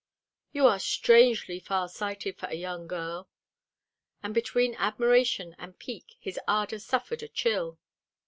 "You are strangely far sighted for a young girl." And between admiration and pique, his ardor suffered a chill.